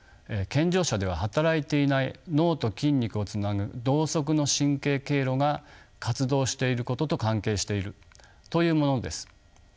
健常者では働いていない脳と筋肉をつなぐ同側の神経経路が活動していることと関係しているというものです。